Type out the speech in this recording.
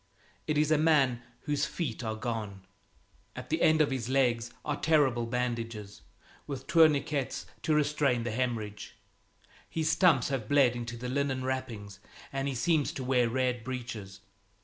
It is a man whose feet are gone. At the end of his legs are terrible bandages, with tourniquets to restrain the hemorrhage. His stumps have bled into the linen wrappings, and he seems to wear red breeches.